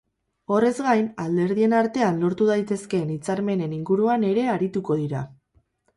Horrez gain, alderdien artean lortu daitezkeen hitzarmenen inguruan ere arituko dira.